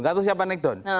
gak tau siapa naik down